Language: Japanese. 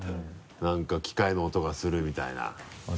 何か機械の音がするみたいな。